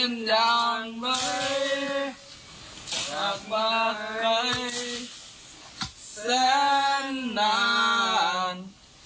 นาน